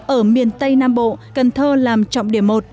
ở miền tây nam bộ cần thơ làm trọng điểm một